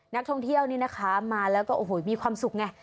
นักท่องเที่ยวนี่นะคะมาแล้วก็โอ้โหมีความสุขไง